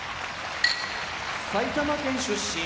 埼玉県出身